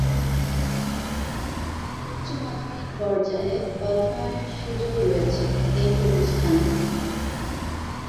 উচ্চ মাধ্যমিক পর্যায়ে অধ্যয়নের সুযোগ রয়েছে এ প্রতিষ্ঠানে।